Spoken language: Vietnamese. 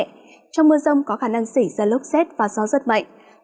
trong mưa rông có khả năng xảy ra lốc xét và gió rất mạnh